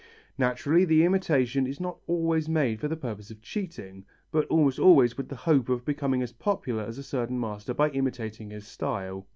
Naturally, the imitation is not always made for the purpose of cheating, but almost always with the hope of becoming as popular as a certain master by imitating his style.